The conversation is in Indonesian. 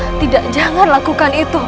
ya tidak jangan lakukan itu